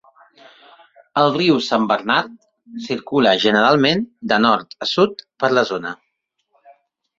El riu San Bernard circula generalment de nord a sud per la zona.